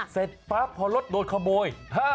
เสร็จปั๊บพอรถโดนขโมย